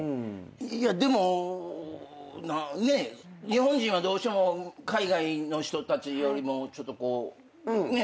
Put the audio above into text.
いやでもね日本人はどうしても海外の人たちよりもちょっとこうね